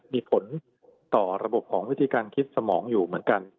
มีผลต่อระบบของวิธีการคิดสมองอยู่เหมือนกัน